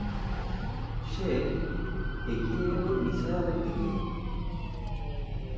সে এগিয়ে এল নিসার আলির দিকে।